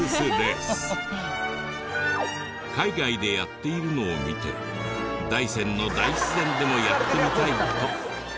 海外でやっているのを見て大山の大自然でもやってみたいと。